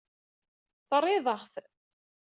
Terriḍ-aɣ-t.